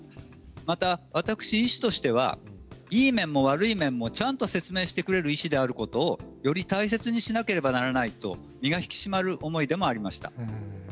また私、医師としてはいい面も悪い面も、ちゃんと説明してくれる医師であることをより大切にしなければならないと身が引き締まる思いでもありました。